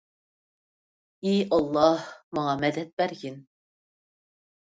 ئى ئاللاھ، ماڭا مەدەت بەرگىن.